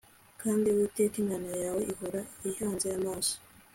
kandi Uwiteka Imana yawe ihora igihanze amaso